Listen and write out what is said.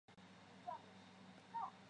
每一条脑沟在解剖学上都有专有名称。